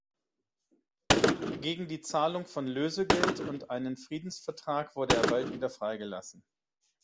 Gegen die Zahlung von Lösegeld und einen Friedensvertrag wurde er bald wieder freigelassen.